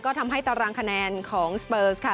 ก็ทำให้ตารางคะแนนของสเปอร์สค่ะ